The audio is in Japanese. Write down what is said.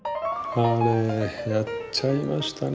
あれやっちゃいましたね